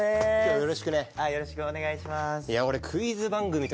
よろしくお願いします。